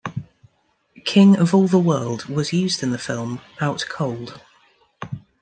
"King of All the World" was used in the film "Out Cold".